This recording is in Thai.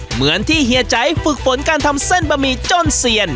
เหมือนที่เฮียใจฝึกฝนการทำเส้นบะหมี่จ้อนเซียน